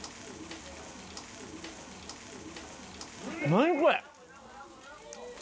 何これ！